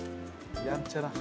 やんちゃだ。